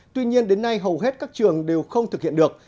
tuy nhiên đến nay hầu hết các trường đều không thực hiện được